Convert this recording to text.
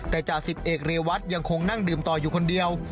แต่จ่าสิบเอกเรวัตยังคงนั่งดื่มต่ออยู่คนเดียว